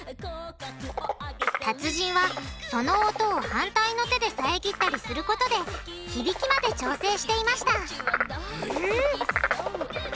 達人はその音を反対の手で遮ったりすることで響きまで調整していましたえ？